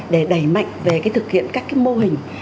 để đẩy mạnh về cái thực hiện các cái mô hình